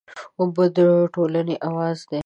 ژبه د ټولنې اواز دی